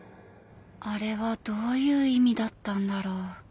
あれはどういう意味だったんだろう